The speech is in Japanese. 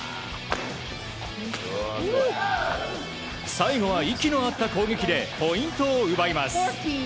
最後は息の合った攻撃でポイントを奪います。